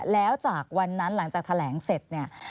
แล้วจากวันนั้นหลังจากแถลงเสร็จเนี่ย